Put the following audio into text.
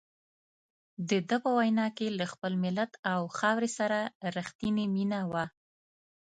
دده په وینا کې له خپل ملت او خاورې سره رښتیني مینه وه.